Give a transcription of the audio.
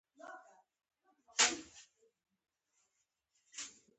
دا کتاب د افغان مٶرخ پوهاند ډاکټر محمد حسن کاکړ دٸ.